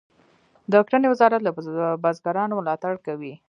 د کرنې وزارت له بزګرانو ملاتړ کوي.